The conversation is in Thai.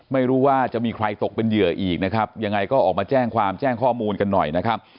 ไม่รู้ว่าจะมีใครตกเป็นเหยื่ออีกนะครับยังไงก็ออกมาแจ้งความแจ้งข้อมูลกันหน่อยนะครับ